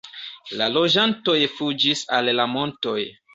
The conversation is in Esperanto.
La loĝantoj fuĝis al la montoj.